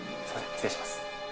失礼します。